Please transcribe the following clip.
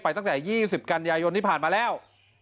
ตั้งแต่๒๐กันยายนที่ผ่านมาแล้ว